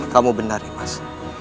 kamu benar imas